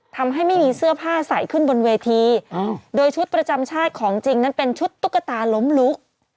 ทำให้ไม่มีเสื้อผ้าใส่ขึ้นบนเวทีโดยชุดประจำชาติของจริงนั้นเป็นชุดตุ๊กตาล้มลุก